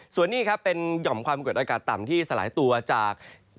ส่วนนี้ครับเป็นหย่อมความกดอากาศต่ำที่สลายตัวจาก